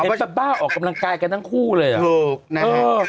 แบบบ้าออกกำลังกายกันทั้งคู่เลยอ่ะ